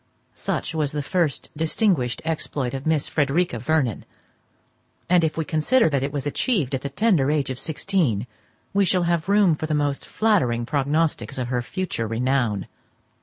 Such was the first distinguished exploit of Miss Frederica Vernon; and, if we consider that it was achieved at the tender age of sixteen, we shall have room for the most flattering prognostics of her future renown.